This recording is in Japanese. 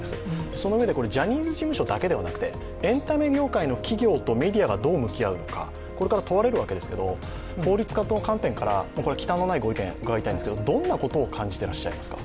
そのうえでジャニーズ事務所だけではなくて、エンタメ業界の企業とメディアがどう向き合うのかこれから問われるわけですけど法律家の観点から、奇譚のないご意見を伺いたいんですけど、どんなことを感じていらっしゃいますか？